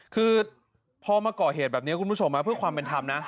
คือพอมาก่อเหตุแบบนี้คุณผู้ชมเพื่อความเป็นธรรมนะ